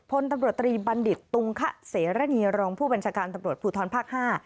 พลตำรวจตรีบัณฑิตตุงคะเสรณีรองผู้บัญชาการตำรวจภูทรภาคห้า